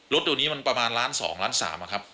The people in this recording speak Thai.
รถตรงนี้มากกว่าล้าน๒ล้าน๓ครับ